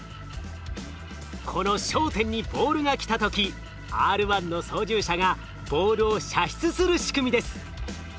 この焦点にボールが来た時Ｒ１の操縦者がボールを射出する仕組みです。